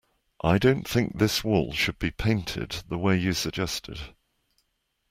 I don't think this wall should be painted the way you suggested.